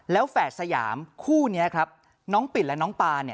แล้วแฝดสยามคู่นี้ครับน้องปิดและน้องปาเนี่ย